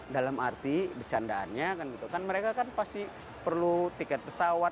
dalam arti bercandaannya kan gitu kan mereka kan pasti perlu tiket pesawat